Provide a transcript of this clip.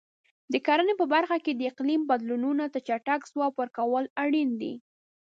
د کرنې په برخه کې د اقلیم بدلونونو ته چټک ځواب ورکول اړین دي.